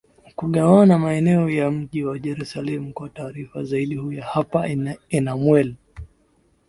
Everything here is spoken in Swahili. kugawana maeneo ya mji wa jerusalem kwa taarifa zaidi huyu hapa enamuel